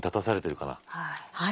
はい。